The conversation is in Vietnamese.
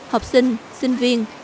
học sinh sinh viên